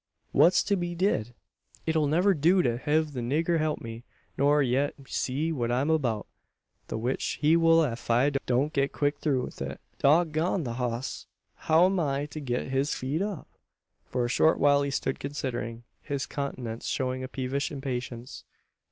"What's to be did? It'll never do to hev the nigger help me nor yet see what I'm abeout the which he will ef I don't get quick through wi' it. Dog gone the hoss! How am I to git his feet up?" For a short while he stood considering, his countenance showing a peevish impatience.